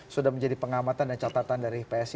sudah menjadi pengamatan dan catatan dari psi